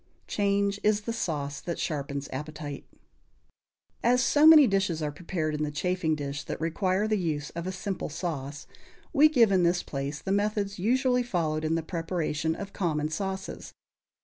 _ "Change is the sauce that sharpens appetite." As so many dishes are prepared in the chafing dish that require the use of a simple sauce, we give in this place the methods usually followed in the preparation of common sauces.